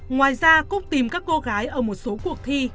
ngoài ra cúc tìm các cô gái ở một số cuộc thi